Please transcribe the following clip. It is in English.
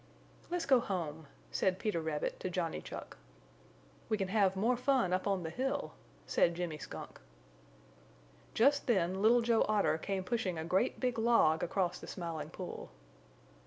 "Let's go home," said Peter Rabbit to Johnny Chuck. "We can have more fun up on the hill," said Jimmy Skunk. Just then Little Joe Otter came pushing a great big log across the Smiling Pool.